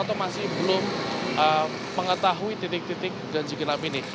atau masih belum mengetahui titik titik ganjigenap ini